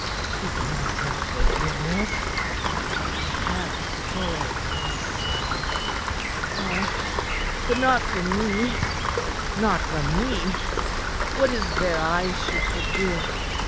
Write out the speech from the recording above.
Speak not of forgiveness." "I have sore need of it." "Ah, but not from me; not from me! What is there I should forgive?